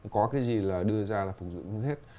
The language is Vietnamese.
có cái gì là đưa ra là phục dựng hết